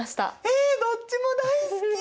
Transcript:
えどっちも大好き！